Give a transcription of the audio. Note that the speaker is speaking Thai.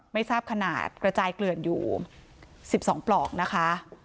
ไม่ทราบขนาดกระจายเกลื่อนอยู่๑๒ปลอกนะคะ